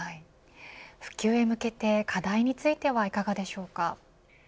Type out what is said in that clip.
普及へ向けて課題についてはいかがですか。